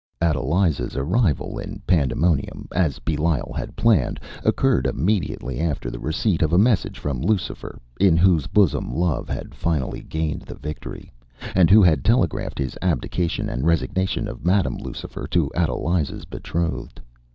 Adeliza’s arrival in Pandemonium, as Belial had planned, occurred immediately after the receipt of a message from Lucifer, in whose bosom love had finally gained the victory, and who had telegraphed his abdication and resignation of Madam Lucifer to Adeliza’s betrothed.